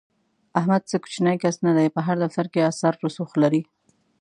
احمد څه کوچنی کس نه دی، په هر دفتر کې اثر رسوخ لري.